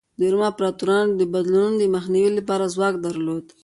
د روم امپراتورانو د بدلونونو د مخنیوي لپاره ځواک درلود.